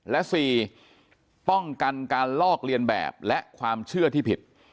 และ๔ป้องกันการลอกเลียนแบบและความเชื่อที่ผิด